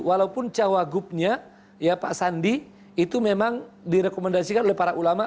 walaupun cawagupnya ya pak sandi itu memang direkomendasikan oleh para ulama